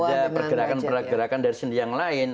tidak ada pergerakan pergerakan dari sini yang lain